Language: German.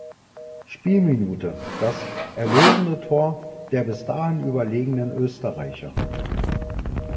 Spielminute das erlösende Tor der bis dahin überlegenen Österreicher.